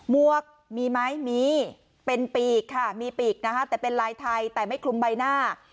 วกมีไหมมีเป็นปีกค่ะมีปีกนะคะแต่เป็นลายไทยแต่ไม่คลุมใบหน้า